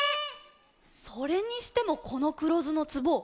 それにしてもこのくろずのつぼ